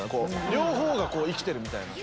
両方が生きてるみたいな。